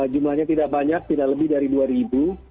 jumlahnya tidak banyak tidak lebih dari dua ribu